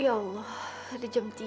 ya allah ada jam tiga